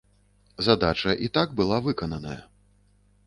Задача і так была выкананая.